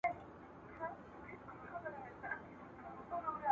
ورځې عبس تېرووم، میاشتې میاشتې شمېر اړووم